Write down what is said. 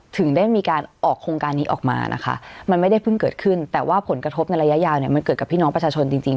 ถึงได้มีการออกโครงการนี้ออกมานะคะมันไม่ได้เพิ่งเกิดขึ้นแต่ว่าผลกระทบในระยะยาวเนี่ยมันเกิดกับพี่น้องประชาชนจริง